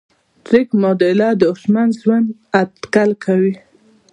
د ډریک معادله د هوشمند ژوند اټکل کوي.